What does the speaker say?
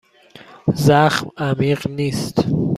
زخم عمیق نیست.